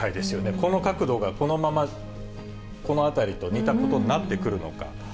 この角度がこのままこのあたりと似たことになってくるのか。